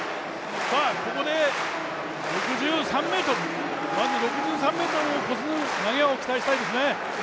ここで６３ｍ、まず６３ｍを越す投げを期待したいですね。